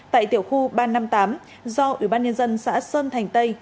tại tiểu khu ba trăm năm mươi tám do ủy ban nhân dân xã sơn thành tây